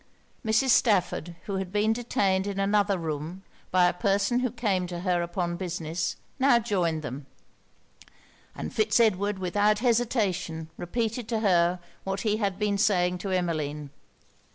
Mrs. Stafford, who had been detained in another room by a person who came to her upon business, now joined them; and Fitz Edward without hesitation repeated to her what he had been saying to Emmeline.